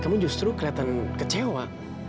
kamu justru keliatan kecewa